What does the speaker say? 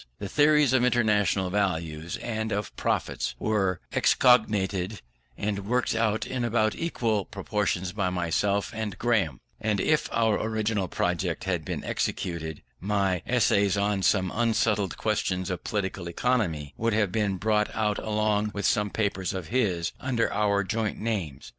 The theories of International Values and of Profits were excogitated and worked out in about equal proportions by myself and Graham: and if our original project had been executed, my Essays on Some Unsettled Questions of Political Economy would have been brought out along with some papers of his, under our joint names.